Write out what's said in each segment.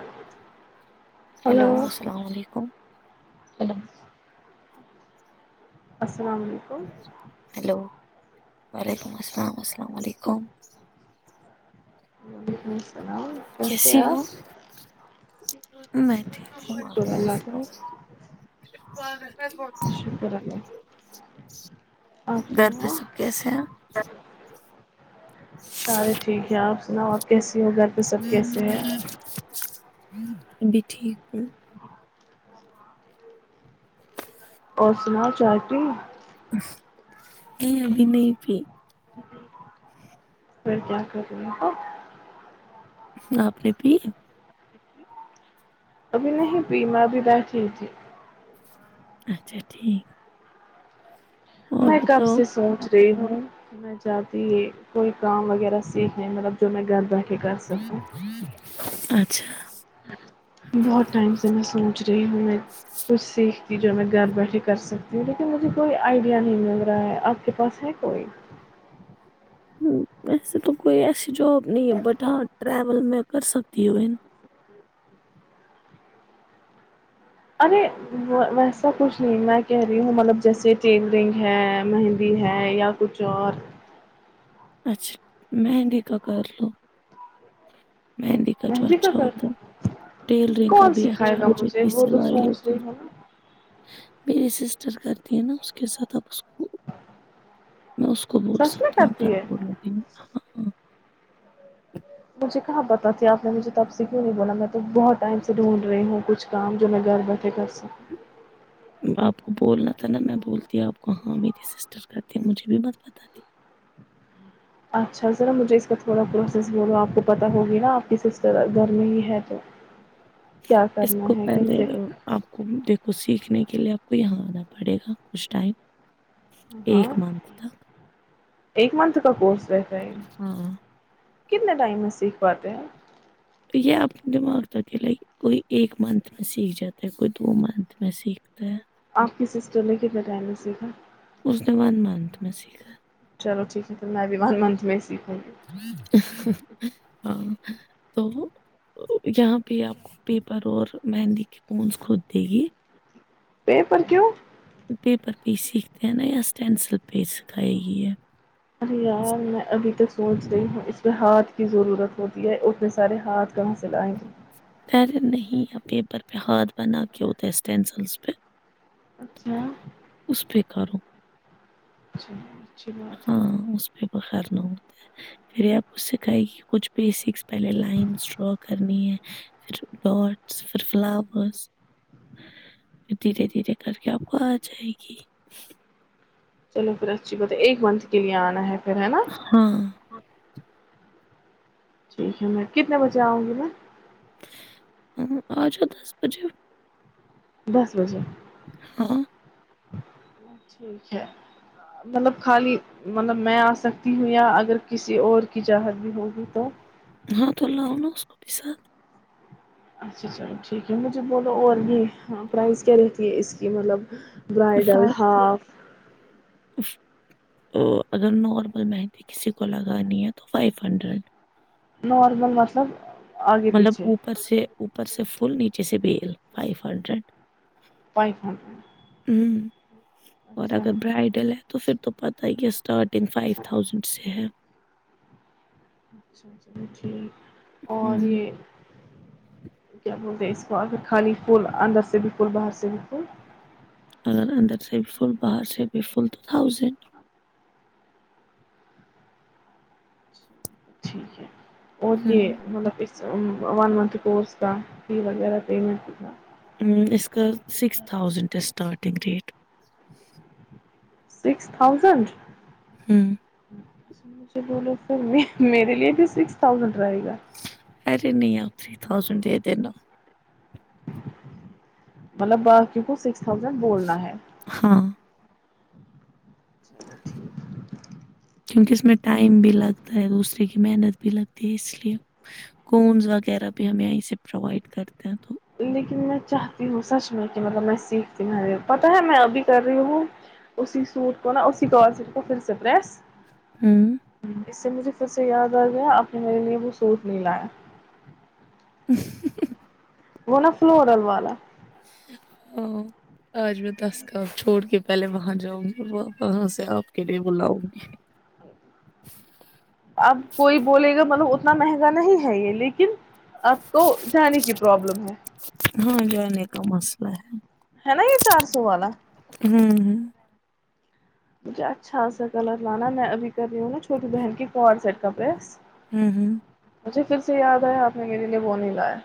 [inaudible] Hello السلام علیکم چل السلام علیکم ہلو [unintelligible] ہ ہ کیسیے ہو میں ٹھیک ہوں شکر کیس اللہ ہو کا اور شکر اللہ آپ گھر پہ سناؤ سب کیسے ہیں سارے ٹھیک ہے آپ سناؤ آپ کیس جی گھر پے سب کیسے ہیں بھی ٹھیک [unintelligible] اور سناؤ چائے پی نہیں ابھی نہیں پی پھر کیا کر رہی ہو آپ نے پی ابھی نہیں پی مے ابھی بیٹھی تھی اچھا ٹھیک اور میں کب بتاؤ سے سوچ ہوں میں چاہتی ہ کوئی کام وغیرہ سیکھنے مطلب جو میں گھربیٹھ اچھا بہت ٹائم سے میں سوچ ہی میں کچھ سیکھ جو میں گھر بیٹھے کر سکتی ہوں لیکن مجھے کوئی آئیڈیا نہیں مل رہا ہے آپ کے پاس ہے کوئی ہ اسسے تو کوئی آے [unintelligible] جوب نہیں بٹ ہاں ٹریول میں کر سکتی ہو ا ارے ویسا کچھ نہیں میں کہہ رہی ہوں مطلب جیسے ٹیلرنگ ہے مہندی ہے یا کچھ اور اچھا مہندی کا کر لو مہندی کا جو اچھا ہوتا ہے ٹیلرنگ کا کون بھی اچھا سکھائے گا ہے آج مجھے اتنی وہ تو سلائی سوچ لیتے رہی ہوں نا ہیں میری سیسٹ جس کرتی ہیں نا اس کے ساتھ آپ اس کو [unintelligible] میں اس کو بول سچ میں سکتی ہوں کرتی ہے کرو ب [unintelligible] مجھے کہاں پتہ تھا اپ نے مجھے تب سے کیوں نہیں بولا مے بہت ٹائم سے ڈھونڈ رہی ہوں کچھ کام جو میں گھر بیٹھے کر سکوں آپ کو بولنا تھا ن میں بولتی آپ کو ہاں میرے سسٹر کرتے ہیں مجھے بھی مت پتا اچھا ذرا مجھے اس کا تھوڑا پروسیس بولو آپ کو پت ہوگی نا آپ کی سسٹر گھر میں ہی ہے تو کیا اس کرنا کو ہے پہلے کیسے آپ کو دیکھو سیکھنے کے لیے آپ کو یہاں آنا پڑے گا کچھ ٹائم ہاں ایک منتھ تک ایک منتھ کا کوورس ہاں کتنا ٹائم ا [unintelligible] پات ہیں [unintelligible] تو یہ اپنے دماغ تک ہے کوئی ایک منتھ میں سیکھ جاتا ہے کوئی دو منتھ میں سیکھتا ہے آپ کی سسٹر نے کتنے ٹائنا مے سیکھا اس نے ون منتھ میں سیکھا چلو ٹھیک ہے تو میں بھی ون منت میں ہی سیکھوں گی ہاں تو یہاں پہ آپ کو پیپر اور مہندی کے پونس خود دے گی پیپر کیوں پیپر پہ ہی سیکھتے ہیں نا یا اسٹینسل پہ ہی سکھائے گی ہے ارے یار میں ابھی تو سوچ رہی ہوں اس پہ ہاتھ کی ضرورت ہوتی ہے ا میں سارے ہاتھ کا مسئلہ آئ گ پ نہیں آ پیپر پ کھ بناا کےوت ای اسس ٹینسلز پ اچھا کارو [unintelligible] ہے ہاں اس پ بخار نہ ہوتا ہے پھر آ سکھائے گی کچھ بیسکس پہلے لائنس ڈرا کرنی ہے پھر ڈاٹس پھر فلاورسھر دھیرے دھیرے کر کے آپ کو آ جائے گی چلو پھر اچھی بات ہے ایک منتھ کے لیے آنا ہے نا ہاں ٹھیک ہے میں کتنے بجے آؤں گی میں ہ آجا دس بجے دس بجے ہاں ٹھیک ہے مطلب خالی مطلب میں آ سکتی ہوں یا اگر کسی اور کی چاہت بھی ہوگی تو ہاں تو ال لؤ ن اس کو بھی ساتھ اچھا اچھا ٹھیک ہے مجھے بولو اور بھی پرائز کیا رہتی ہے اس کی مطلب وائڈل فائیو ہاف اگر نارمل مہندی کسی کو لگانی ہے تو فائیو ہنڈریڈ نارمل مطلب آگے مطلب پیچھے اوپر سے پر سے فل نیچے سے بیل فائیو ہنڈریڈ پائیخنڈ ہوں اور اگر برائڈل ہے تو پھر تو پت ہی کیا اسٹارٹ ٹ فائیو تھاؤزینڈ سے ہے [unintelligible] اور ہوں، یہ کیا بول اس کو خالی پول اندر سے بھی فول باہر سے بھی فول اگر اندر سے ب پول باہر سے بے فول تو تھاؤزین ٹھیک ہے اور ہوں، یہ مطلب ون منتھ کورس کا ف وغیرہ پیمنٹ تھا ہ اس کا six thousand starting rate six thousand ہوں مجھے بولو س میں میرے لیے بھی سکس تھازینڈ رہے گا کر رہے نہیں آ تھری تھازینڈ د دن مطلب کیونکہ سکس تھازن بولنا ہے ہاں، چلو ٹھیک ہے کیونکہ اس میں ٹائم بھی لگتا ہے دوسری کی محنت بھی لگتی ہے اس لیے کومز وغیرہ بھی ہم یہ سے پروائڈ کرتے ہیں تو لیکن میں چاہتی ہوں سچ میں کہ مطلب میں سیکھتی ہ پتاہ ہے میں ابھی کر رہی ہوں اسی سوٹ کو نہ اسی کو پھر سے پریس ہوں۔ اس سے مجھے [unintelligible] پھر سے یاد آ گیا اپپ نے میرے لیے وہ سوٹ نہیں لائے وہ نا فلورل والا ہاں آج میں دس کام چھوڑ کے پہلے وہاں جاؤں گی وہاں سے آپ کے لیے بلاؤں گی اب کوئی بولے گا مطلب اتنا مہنگا نہیں ہے یہ لیکن آپ کو جانے کی پروابلم ہے ہاں جانے کا مسئلہ ہے ہے نا یہ چار سو والا ہوں ہ مجھے اچھا سا کلر لانا میں ابھی کر رہی ہوں نا چھوٹی بہن کی ک سیٹ کا پس ہوں ہوں مجھے پھر سے یاد آیا آپ نے میرے لیے بون ہی لایا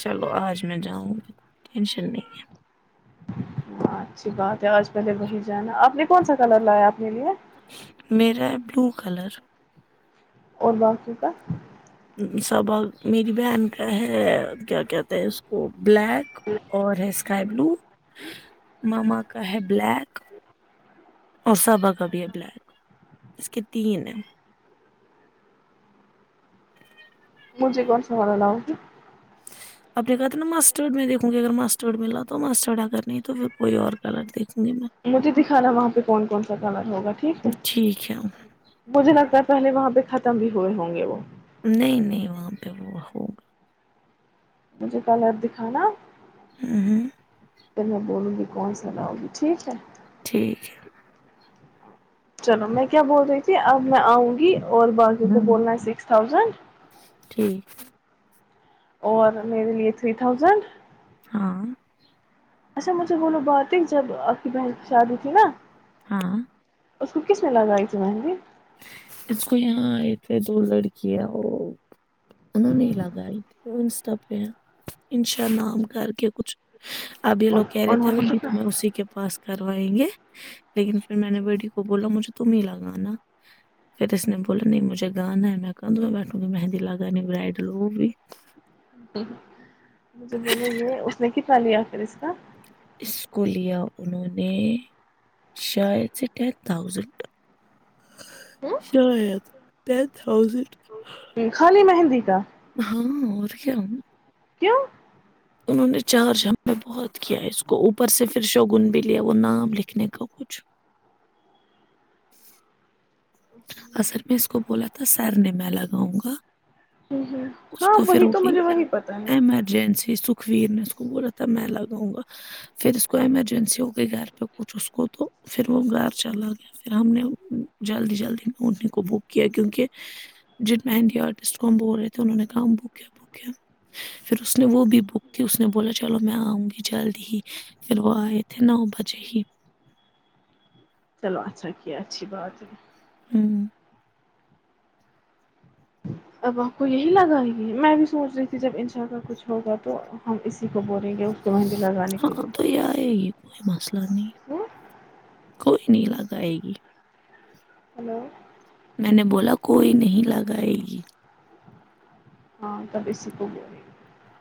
چلو آج میں جاؤں گی ٹینشن نہیں ہے ہاں اچھی بات ہے آج پہلے وہی جانا آپ نے کون سا کلر لایا اپنے لیے ہے۔ میرا ہے بلو کلر اور بق ٹھیک ہے سبق میری بہن کا ہے کیا کہتے ہیں اس کو بلیک اور ہے اسکائی بلو ماما کا ہے بلیک اور صابا کا بھی ہے بلیک اس کے تین ہیں مجھے کون سنبالا لاؤی آپ نے کہا تھا نا ماسٹرڈ میں دیکھوں گی اگر ماسٹرڈ میں لا تو ماسٹرڈ اگر نہیں تو پھر کوئی اور کلر دیکھ مجھے دکھانا وہاں پہ کون کون سا کلر ہوگا ٹھیک ہے ٹھیک ہے مجھے لگتا تھا پہلے وہاں پہ ختم بھی ہوئے ہوں گے وہ نہیں نہیں وہاں پہ وہ ہو مجھے پہلے دکھانا ہ ہاں پ میں بولوں گی کون سا لؤ گی ٹھیک ہے ٹھیک ہے چلو میں کیا بول رہی تھی اب میں آؤں گی اور باقی کو ہوں بولنا ہے سکس تھاؤزینڈ ٹھیک اور میرے لیے تھری تھاؤزینڈ ہاں اچھا مجھے بولو بات ہی جب آپ کی بہن کی شادی تھی نا ہاں اس کو کس نے لگاائی تھی مہندی اس کو یہاں ایک تھ دو لڑکیا وہ انہوں نے ہی لگائی تھی انسٹا پہ انشا نام کر کے کچھ اب یہ لوگ ان- کہہ رہے تھے انہوں نے ہم بھی کتنا تمیں اسی کے پاس کروائیں گے لیکن پھر میں نے بیٹی کو بولا مجھے تو تم ہی لگانا پھر اس نے بولا نہیں مجھے گانا میں کان دوں میں بیٹھوں گی مہندی لاگا نہیں برائڈل وہ بھی [unintelligible] ہمیں ہے اس میں چ لیا پھر اس کا شاید ہوں، [inaudible] [unintelligible] خالی مہندی کا [inaudible] کیوں انہوں نے چارج ہمیں بہت کیا اس کو اوپر سے پھر شگن بھی لیا وہ نام لکھنے کا کچھ اصر میں اس کو بولا تھا تو سر نے میں لگاؤں گا ہ ہ ہاں وہی تو مجھے وہی پتا ہے ایمرجنسی سکھویر نے اس کو بولا تھا میں لگاؤں گا پھر اس کو ایمرجنسی ہو گئی گھر پہ کچھ اس کو تو پھر وہ گھر چلا گیا پھر ہم نے جلدی جلدی انیں کو بک کیا کیونک کہ جن مندی آرٹسٹ کو ہم بول رہے تھے انہوں نے کہا بک بک پھر اس نے وہ بھی بک تھی اس نے بولا چلو میں آؤں گی جلدی ہی پھر وہ آئے تھے نو بجے ہی چلو اچھا کیا اچھی بات ہے ہوں اب آپ کو یہی لگائے گی میں بھی سوچ رہی تھی جب ان شاء ال کا کچھ ہوگا تو ہم اسی کو بولیں گے کو مہندی لگانے کے ہاں لیے تو یہ ہے ہی [unintelligible] [inaudible] کوئی نہیں لاگ آائے گی [inaudible] میں نے بولا کوئی نہیں لگائے گی ہاں اب اسی کو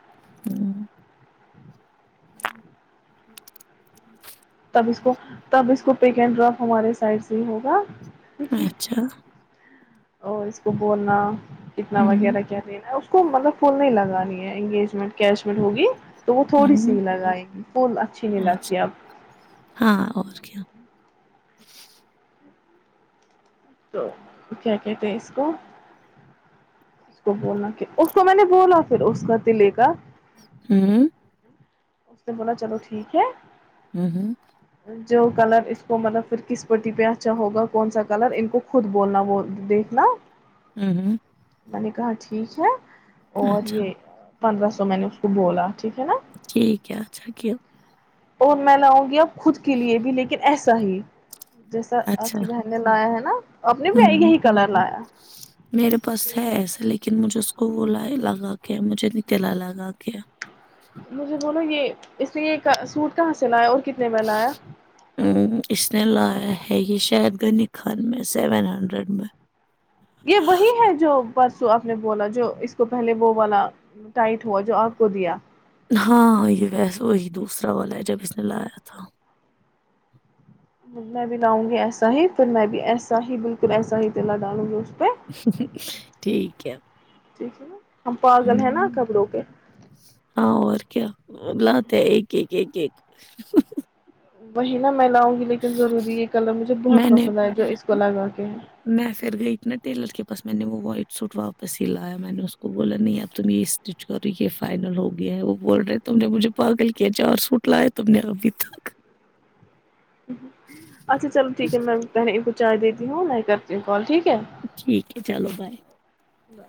[inaudible] [unintelligible] تب اس کو تب اس کو پیک اینڈ ڈراپ ہمارے سائڈ سے ہی ہوگا [inaudible] اور اس کو بولنا کتنا ہوں وغیرہ کیا نہیں نا کو مطلب فون نہیں لگانی ہے انگیجمنٹ کیشمٹ ہوگی تو وہ تھوڑی سی ہوں ہی لگائیں گی تو اچھی نہیں لگتی اب آ کیا تو کیا کہتے ہیں اس کو اس کو بولنا کہ اس کو میں نے بولا پھر اس کا دلے کا ہوں اس نے بولا چلو ٹھیک ہے [inaudible] جو کلر اس کو مطلب پ کس پٹی پہ اچھا ہوگا کون سا کلر ان کو خود بولنا وہ دیکھنا ہوں ہ [inaudible] میں نے کہااں ٹھیک ہے [unintelligible] اور اچھا بھی [unintelligible] پندرہ سو میں نے اس کو بولا ٹھیک ہے [unintelligible] ٹھیک ہے اچھا کہ [unintelligible] اور میں لاؤں گییا [unintelligible] خود کے لیے بھی لیکن [unintelligible] ایسا ہی [unintelligible] جیسا آپ اچھا کی بہن نے لایا ہے نا اپ نے بھی ہوں یہی کلر لایا میرے پاس ہے ایسا، [unintelligible] لیکن مجھے اس کو وہ ل لگا کے مجھے ن تلا لگا کے [unintelligible] مجھے بولو یہ اس لیے یہ سوٹ کہاںصین ہے اور [unintelligible] لایا ہ اس نے لایا ہے یہ شاید [unintelligible] کن خن میں سیون ہنڈریڈ میں [unintelligible] یہ وہی ہے جو بس [unintelligible] آپ نے بولا جو اس کو پہلے وہ والا ٹائٹ ہوا جو آپ کو دیا [unintelligible] ہاں یہ ویس وہی دوسرا والا ہے جب اس نے لایا تھا [unintelligible] میں بھی لاؤں گی ایسا ہی پھر میں بھی ایسا ہی بالکل ایسا ہی تلا ڈالوں گی [unintelligible] ٹھیک [unintelligible] ا کیا [inaudible] ٹھیک ہے ن ہم پاگل ہیں نا کبروں پہ [unintelligible] لات ہے ایک ایک ایک ایک [unintelligible] وہی نا [inaudible] میں لاؤں گی لیکن ضروری یہ کلر مجھے بہت میں نے پسند آ ہے جو اس کو لگا کے [unintelligible] میں پھر گئی تھی نا ٹیلر کے پاس میں نے وہ وائٹ سوٹ واپس ہی لایا میں نے اس کو بولا نہیں اب تم یہ اسٹچ کرو یہ فائنل ہو گیا ہے وہ بول رہے تم نے مجھے پاگل کیا چار سوٹ لائے تم نے ابھی تھک اچھا چلو ٹھیک ہے مم چائے دیتی ہوں میں کرتی ہوں کال ٹھیک ہے ٹھیک ہے چلو بائے بائے۔